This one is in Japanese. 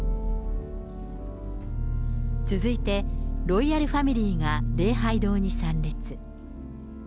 続いてロイヤルファミリーが礼拝堂に参列。